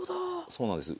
そうなんです。